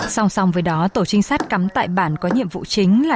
song song với đó tổ trinh sát cắm tại bản có nhiệm vụ chính là